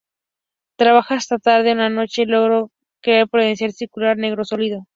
Trabajando hasta tarde una noche, logró crear un portal circular negro sólido.